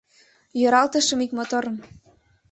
Йӧралтышым ик моторым